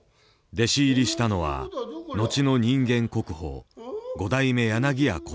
弟子入りしたのは後の人間国宝五代目柳家小さん。